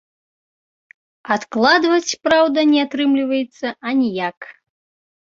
Адкладваць, праўда, не атрымліваецца аніяк.